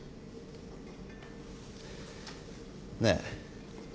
ねえ？